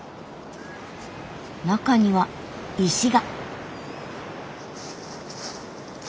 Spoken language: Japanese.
中には石が。